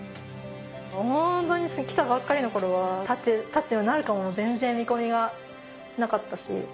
本当に来たばっかりの頃は立つようになるかも全然見込みがなかったし。